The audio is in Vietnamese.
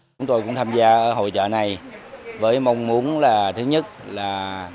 chúng tôi cũng tham gia hội trợ này với mong muốn là thứ nhất là